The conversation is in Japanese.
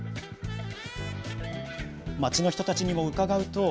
町の人たちにも伺うと